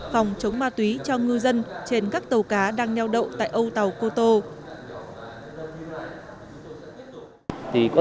phòng chống ma túy cho ngư dân trên các tàu cá đang neo đậu tại âu tàu cô tô